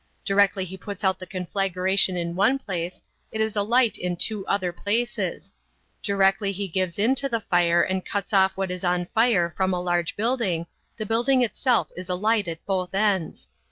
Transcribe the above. Directly he puts out the conflagration in one place, it is alight in two other places; directly he gives in to the fire and cuts off what is on fire from a large building, the building itself is alight at both ends.